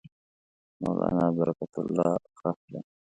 مولنا برکت الله ښخ دی.